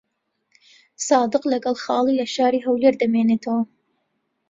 سادق لەگەڵ خاڵی لە شاری هەولێر دەمێنێتەوە.